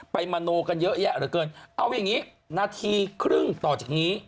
มโนกันเยอะแยะเหลือเกินเอาอย่างนี้นาทีครึ่งต่อจากนี้